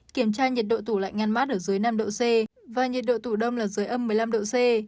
kiểm tra nhiệt độ tủ lạnh ngăn mát ở dưới năm độ c và nhiệt độ tủ đông là dưới âm một mươi năm độ c